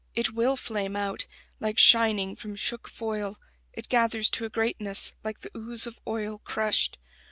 It will flame out, like shining from shook foil; It gathers to a greatness, like the ooze of oil Crushed.